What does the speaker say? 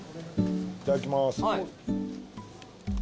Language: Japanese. いただきます。